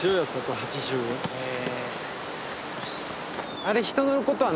へえ。